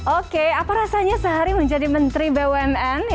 oke apa rasanya sehari menjadi menteri bumn